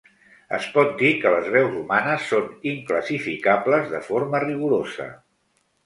Es pot dir que les veus humanes són inclassificables de forma rigorosa.